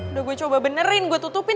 udah gua coba benerin gua tutupin